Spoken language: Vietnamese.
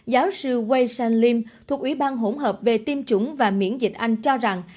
giáo sư wei shan lim thuộc ủy ban hỗn hợp về tiêm chủng và miễn dịch anh cho rằng